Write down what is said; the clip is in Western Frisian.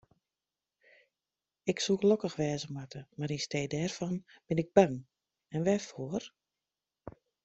Ik soe gelokkich wêze moatte, mar yn stee dêrfan bin ik bang, en wêrfoar?